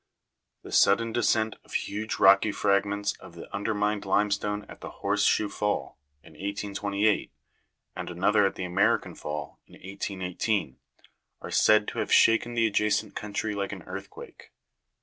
The sudden descent of huge rocky fragments of the undermined limestone at the Horse Shoe Fall, in 1828, and another at the American Fall, in 1818, are said* to have shaken the adjacent country like an earthquake.